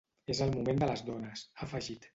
És el moment de les dones, ha afegit .